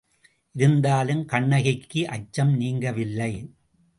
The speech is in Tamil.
இருந்தாலும் கண்ணகிக்கு அச்சம் நீங்கவில்லை.